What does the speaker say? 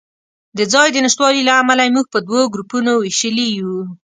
د ځای د نشتوالي له امله یې موږ په دوو ګروپونو وېشلي یو.